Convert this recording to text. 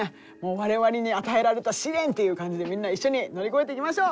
我々に与えられた試練っていう感じでみんな一緒に乗り越えていきましょう！